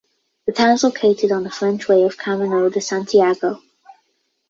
The town is located on the French way of the Camino de Santiago.